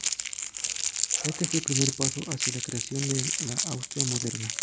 Este fue el primer paso hacia la creación de la Austria moderna.